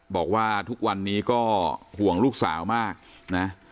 บอกว่าทุกวันนี้ก็ห่วงลูกสาวมากนะ